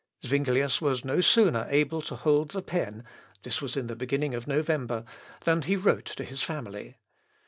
] Zuinglius was no sooner able to hold the pen (this was in the beginning of November) than he wrote to his family.